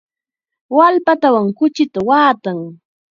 Wallpatawan kuchita waatan.